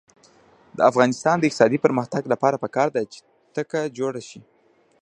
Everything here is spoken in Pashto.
د افغانستان د اقتصادي پرمختګ لپاره پکار ده چې تکه جوړه شي.